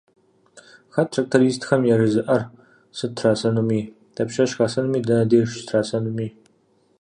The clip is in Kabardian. Хэт трактористхэм яжезыӏэр сыт трасэнуми, дапщэщ хасэнуми, дэнэ деж щытрасэнуми?